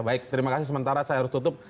baik terima kasih sementara saya harus tutup